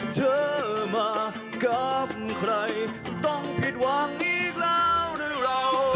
เธอมากับใครต้องผิดหวังอีกแล้วหรือเรา